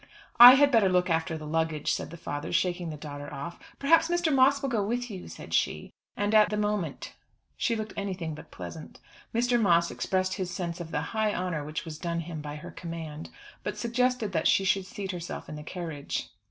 "I had better look after the luggage," said the father, shaking the daughter off. "Perhaps Mr. Moss will go with you," said she; and at the moment she looked anything but pleasant. Mr. Moss expressed his sense of the high honour which was done him by her command, but suggested that she should seat herself in the carriage.